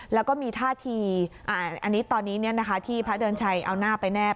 แล้วก็มีท่าทีอันนี้ตอนนี้ที่พระเดือนชัยเอาหน้าไปแนบ